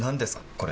これ。